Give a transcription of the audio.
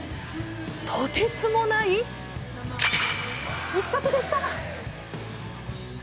とてつもない一発でした！